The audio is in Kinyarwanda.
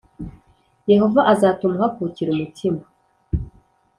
Yehova azatuma uhakukira umutima,